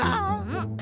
うん。